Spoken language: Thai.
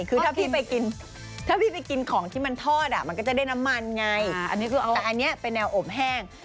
คือถ้าพี่ไปกินของที่มันทอดมันก็จะได้น้ำมันไงอันนี้คือเอาด้วยด้วยอันนี้เป็นแนวอบแห้ง